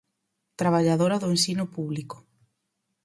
Traballadora do ensino público.